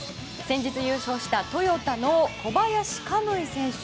先日優勝したトヨタの小林可夢偉選手。